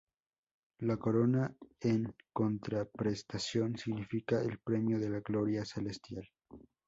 La corona, en contraprestación, significa el premio de la gloria celestial.